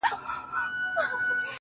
زما په څېره كي، ښكلا خوره سي~